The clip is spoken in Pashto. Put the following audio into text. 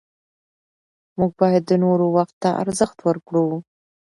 موږ باید د نورو وخت ته ارزښت ورکړو